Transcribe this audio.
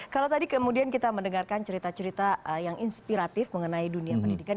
kalau tadi kemudian kita mendengarkan cerita cerita yang inspiratif mengenai dunia pendidikan